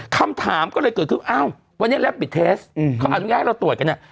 คำถามก็เลยเกิดขึ้นอ้าววันนี้แล้วปิดเทสเขาอนุญาตให้เราตรวจกันเนี่ย